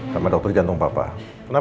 saya udah ngobrol untuk siapa lautre habis